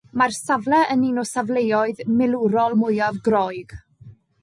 Mae'r safle yn un o safleoedd milwrol mwyaf Groeg.